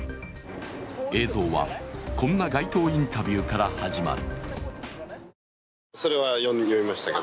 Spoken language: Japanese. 映像はこんな街頭インタビューから始まる。